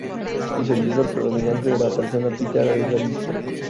El sentido predominante de la persona "pitta" es la vista.